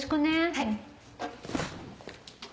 はい。